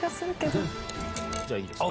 じゃあいいですか？